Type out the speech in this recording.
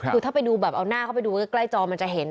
คือถ้าไปดูแบบเอาหน้าเข้าไปดูใกล้จอมันจะเห็น